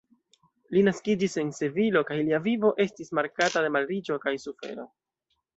Li naskiĝis en Sevilo kaj lia vivo estis markata de malriĉo kaj sufero.